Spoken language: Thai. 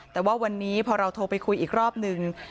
แต่ว่าวันนี้พอเราโทรไปคุยอีกรอบนึง